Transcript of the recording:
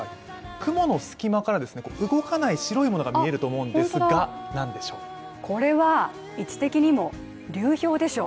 雲の隙間から、動かない白いものが見えますけれどもこれは位置的にも、流氷でしょう？